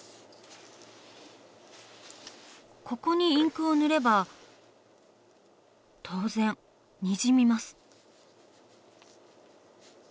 ここにインクを塗れば当然にじみます。